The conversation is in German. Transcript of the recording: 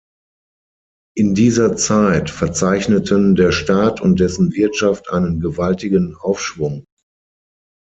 In dieser Zeit verzeichneten der Staat und dessen Wirtschaft einen gewaltigen Aufschwung.